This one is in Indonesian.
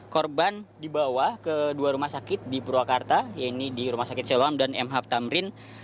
korban dibawa ke dua rumah sakit di purwakarta yaitu di rumah sakit selom dan mh tamrin